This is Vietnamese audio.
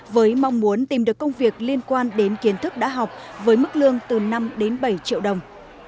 với mong muốn tìm được công việc liên quan đến kiến thức đã học với mức lương từ năm đến bảy triệu đồng